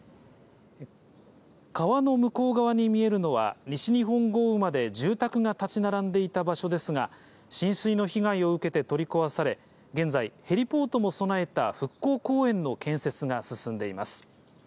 川の向こう側に見えるのは、西日本豪雨まで住宅が建ち並んでいた場所ですが、浸水の被害を受けて取り壊され、現在、ヘリポートも備えた復興公園の建設が進んでいます。